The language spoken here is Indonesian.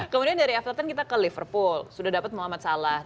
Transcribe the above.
kemudian dari everton kita ke liverpool sudah dapat muhammad salah